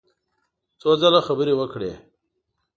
څو ځله خبرې وکړې.